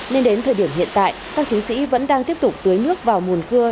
nên đến thời điểm hiện tại các chiến sĩ vẫn đang tiếp tục tưới nước vào mùa cưa